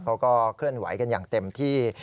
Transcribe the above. เขาก็เคลื่อนไหวกันอย่างเต็มที่